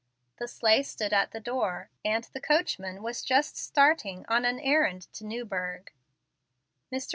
The sleigh stood at the door, and the coachman was just starting on an errand to Newburgh. Mr.